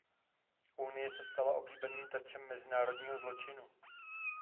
Unie se stala oblíbeným terčem mezinárodního zločinu.